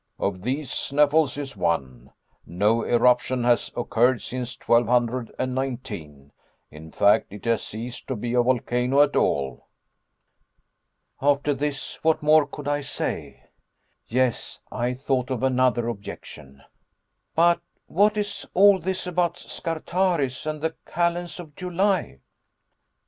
Of these Sneffels is one. No eruption has occurred since 1219 in fact it has ceased to be a volcano at all." After this what more could I say? Yes, I thought of another objection. "But what is all this about Scartaris and the kalends of July